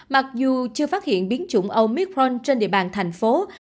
mặc dù chưa phát hiện biến chủng omitron trên địa bàn thành phố